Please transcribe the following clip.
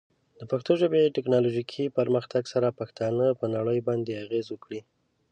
د پښتو ژبې د ټیکنالوجیکي پرمختګ سره، پښتانه پر نړۍ باندې اغېز وکړي.